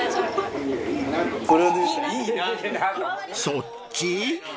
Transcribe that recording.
［そっち？］